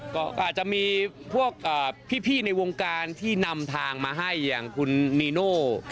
ก็อาจจะมีพวกพี่ในวงการที่นำทางมาให้อย่างคุณนีโน่